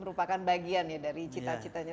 merupakan bagian ya dari cita citanya